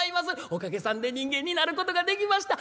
おかげさんで人間になることができました。